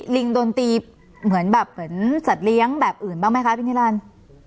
ลิงโดนตีเหมือนแบบเหมือนสัตว์เลี้ยงแบบอื่นบ้างไหมคะพี่นิรันดิ์